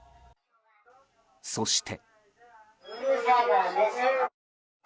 そして。